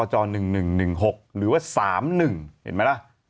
๑๖หรือว่า๓๑เห็นไหมล่ะ